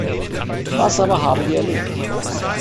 Was aber haben wir erlebt?